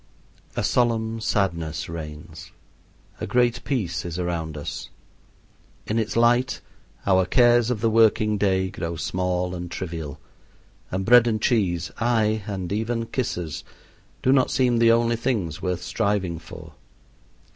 A solemn sadness reigns. A great peace is around us. In its light our cares of the working day grow small and trivial, and bread and cheese ay, and even kisses do not seem the only things worth striving for.